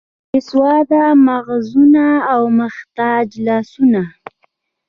بې سواده مغزونه او محتاج لاسونه.